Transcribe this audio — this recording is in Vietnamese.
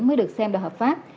mới được xem là hợp pháp